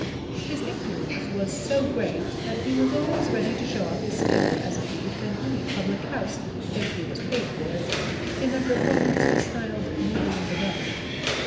His impudence was so great that he was always ready to show off his skill as a thief in any public house if he was paid for it, in a performance he styled "moving the bung."